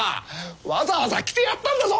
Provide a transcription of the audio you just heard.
わざわざ来てやったんだぞ！